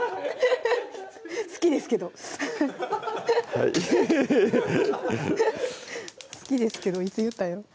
好きですけどはいフフフフ好きですけどいつ言ったんやろう